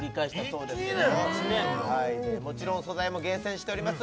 もちろん素材も厳選しております